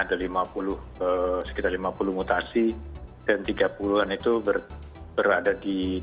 ada sekitar lima puluh mutasi dan tiga puluh an itu berada di